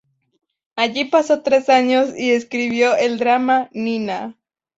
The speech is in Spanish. Allí pasó tres años y escribió el drama "Nina".